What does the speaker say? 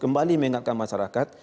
kembali mengingatkan masyarakat